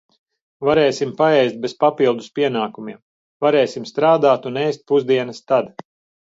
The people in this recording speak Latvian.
Varēsim paēst bez papildus pienākumiem, varēsim strādāt un ēst pusdienas tad.